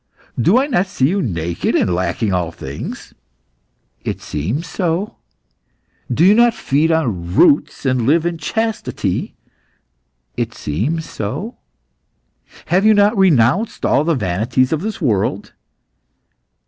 "Do I not see you naked, and lacking all things?" "It seems so." "Do you not feed on roots, and live in chastity?" "It seems so." "Have you not renounced all the vanities of this world?"